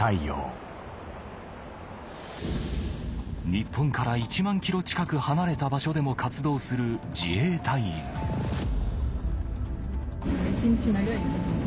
日本から１万ｋｍ近く離れた場所でも活動する自衛隊員一日長いよね。